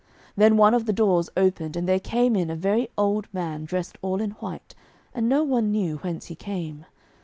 Then one of the doors opened, and there came in a very old man dressed all in white, and no one knew whence he came.